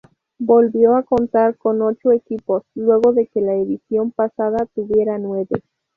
Volvió a contar con ocho equipos, luego de que la edición pasada tuviera nueve.